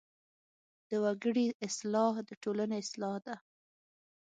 د وګړي اصلاح د ټولنې اصلاح ده.